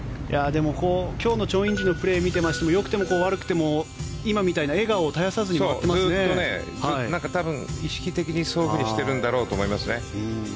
でも今日のチョン・インジのプレーを見ていましてもよくても悪くても今みたいな笑顔を絶やさずに意識的にそうしてるんだろうと思いますね。